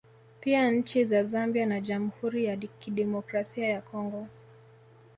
Pia nchi za Zambia na Jamhuri ya Kidemokrasia ya Congo